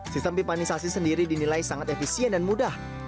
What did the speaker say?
sistem pipanisasi sendiri dinilai sangat efisien dan mudah